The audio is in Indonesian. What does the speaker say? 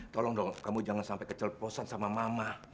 tolong dong kamu jangan sampai kecelposan sama mama